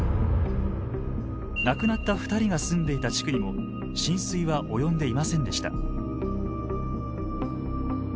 亡くなった２人が住んでいた地区にも浸水は及んでいませんでした。